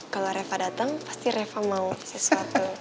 kalau reva datang pasti reva mau sesuatu